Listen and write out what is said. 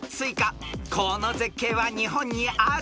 ［この絶景は日本にある？